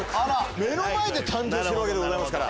目の前で誕生してるわけでございますから。